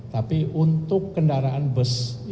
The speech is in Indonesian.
tapi untuk kendaraan bus